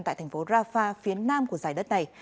tại thành phố rafah phía nam của giải đất này